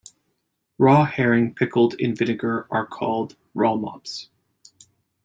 Raw herring pickled in vinegar are called rollmops.